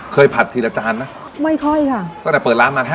เคยผัดทีละจานนะ